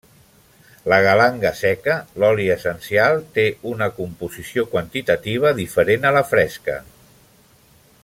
La Galanga seca, l'oli essencial té una composició quantitativa diferent a la fresca.